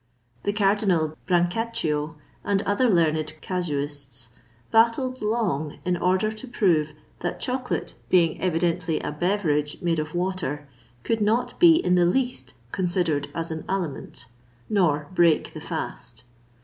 The Cardinal Brancaccio, and other learned casuists, battled long in order to prove that chocolate, being evidently a beverage made of water, could not be in the least considered as an aliment, nor break the fast.